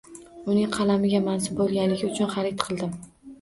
Uning qalamiga mansub bo’lganligi uchun xarid qildim.